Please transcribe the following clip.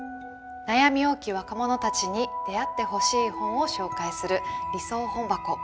悩み多き若者たちに出会ってほしい本を紹介する「理想本箱」。